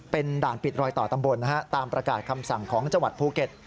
เป็นด่านปิดรอยต่อตำบลนะฮะตามประกาศคำสั่งของจังหวัดภูเก็ต